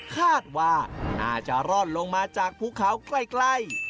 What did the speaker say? คาดว่าน่าจะร่อนลงมาจากภูเขาใกล้